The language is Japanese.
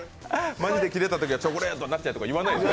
マジでキレたときは、チョコレートになっちゃえって言わないんですね。